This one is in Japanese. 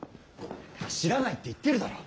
知らないって言ってるだろ。